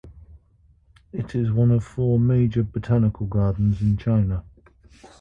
It is one of four major botanical gardens in China.